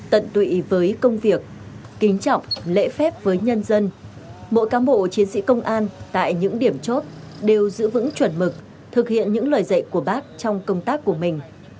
tận tụy với công việc kính trọng lễ phép với nhân dân mỗi cán bộ chiến sĩ công an tại những điểm chốt đều giữ vững chuẩn mực thực hiện những lời dạy của bác trong công tác của mình